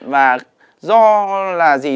và do là gì